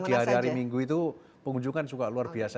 karena di hari hari minggu itu pengunjung kan juga luar biasa